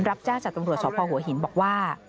รับแจ้งจากตำรวจสพหัวหินบอกว่า